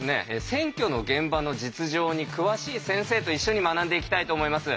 選挙の現場の実情に詳しい先生と一緒に学んでいきたいと思います。